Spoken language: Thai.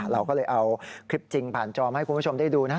เราก็เลยเอาคลิปจริงผ่านจอมให้คุณผู้ชมได้ดูนะ